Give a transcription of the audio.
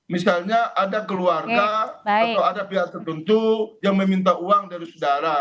misalnya ada keluarga atau ada pihak tertentu yang meminta uang dari saudara